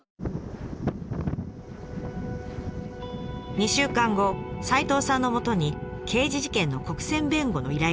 ２週間後齋藤さんのもとに刑事事件の国選弁護の依頼が来ました。